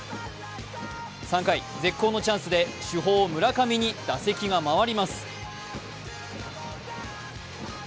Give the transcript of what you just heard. ３回、絶好のチャンスで主砲・村上に打席が回ります。